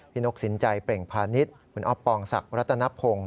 นกสินใจเปล่งพาณิชย์คุณอ๊อปปองศักดิ์รัตนพงศ์